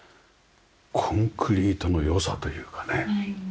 コンクリートの良さというかね。